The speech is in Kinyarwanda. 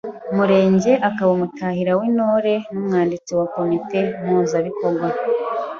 Murenge akaba umutahira w’Intore n’umwanditsi wa Komite Mpuzabikorwa.